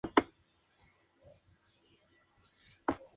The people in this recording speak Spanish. Prueba del "New York Times".